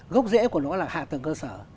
gốc rễ của nó là hạ tầng cơ sở